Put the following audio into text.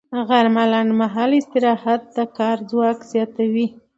غرمه مهال لنډ استراحت د کار ځواک زیاتوي